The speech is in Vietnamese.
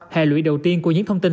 hệ lụy đầu tiên của những thông tin